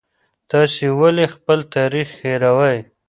تاسې ولې خپل تاریخ هېروئ؟